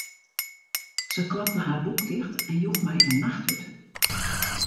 Se klapte har boek ticht en joech my in nachttút.